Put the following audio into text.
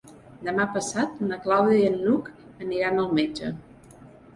Demà passat na Clàudia i n'Hug aniran al metge.